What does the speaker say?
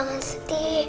ayang jangan sedih